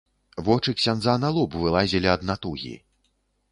Вочы ксяндза на лоб вылазілі ад натугі.